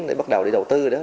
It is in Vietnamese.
để bắt đầu đầu tư đó